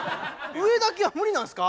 上だけは無理なんすか？